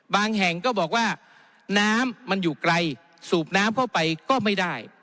แห่งก็บอกว่าน้ำมันอยู่ไกลสูบน้ำเข้าไปก็ไม่ได้